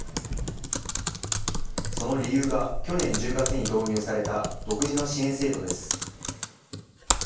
その理由が去年１０月に導入された独自の支援制度です。